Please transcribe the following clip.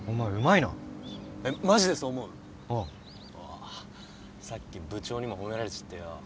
あさっき部長にも褒められちってよ。